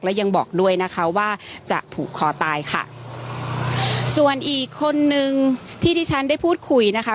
และยังบอกด้วยนะคะว่าจะผูกคอตายค่ะส่วนอีกคนนึงที่ที่ฉันได้พูดคุยนะคะ